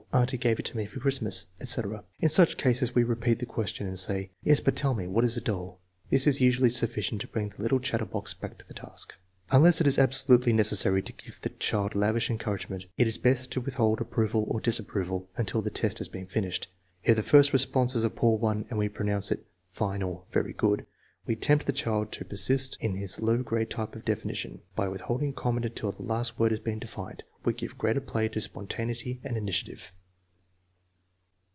Auntie gave it to me for Christmas," etc. In such cases we repeat the ques tion and say: " Yes, but tell me; what is a doll? " This is 1C8 THE MEASUREMENT OF INTELLIGENCE usually sufficient to bring the little chatter box back to the task. Unless it is absolutely necessary to give the child lavish en couragement, it is best to withhold approval or disapproval until the test has been finished. If the first response is a poor one and we pronounce it " fine " or " very good," we tempt the child to persist in his low grade type of defi nition. By withholding comment until the last word has been defined, we give greater play to spontaneity and initiative.